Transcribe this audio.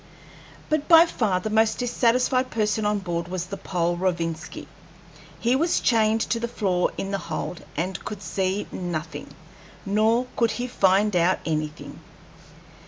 But by far the most dissatisfied person on board was the Pole, Rovinski. He was chained to the floor in the hold, and could see nothing; nor could he find out anything.